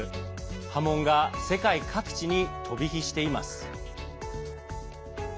波紋が世界各地に飛び火しています。